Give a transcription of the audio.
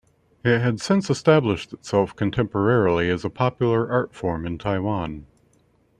It had since established itself contemporarily as a popular art form in Taiwan.